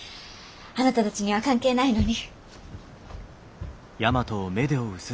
あなたたちには関係ないのに。